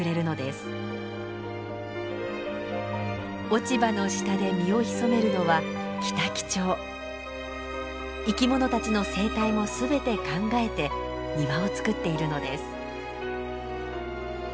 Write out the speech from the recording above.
落ち葉の下で身を潜めるのは生き物たちの生態も全て考えて庭をつくっているのです。